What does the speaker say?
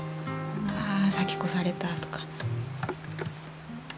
あぁ先越されたとか。